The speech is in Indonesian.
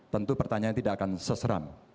tentu pertanyaan tidak akan seseram